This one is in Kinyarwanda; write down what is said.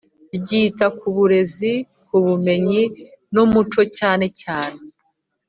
Ryita ku burezi ubumenyi n umuco cyane cyane